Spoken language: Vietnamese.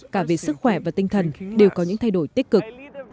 cả về sức khỏe và tinh thần đều có những thay đổi tích cực